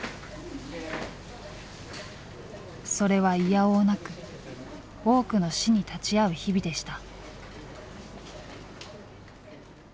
それはいやおうなく多くの死に立ち会う日々でした。